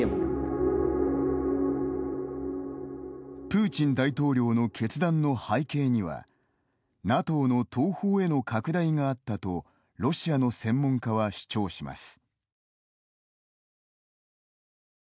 プーチン大統領の決断の背景には、ＮＡＴＯの東方への拡大があったとロシアの専門家は主張します。